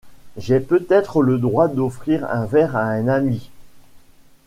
J’ai peut-être le droit d’offrir un verre à un ami!